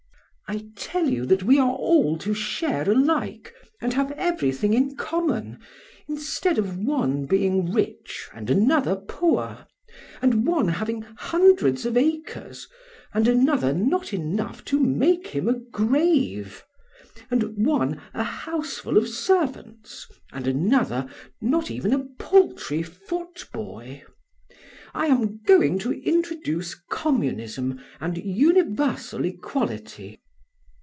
I tell you that we are all to share alike and have everything in common, instead of one being rich and another poor, and one having hundreds of acres and another not enough to make him a grave, and one a houseful of servants and another not even a paltry foot boy. I am going to introduce communism and universal equality.